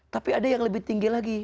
tapi ada yang lebih tinggi lagi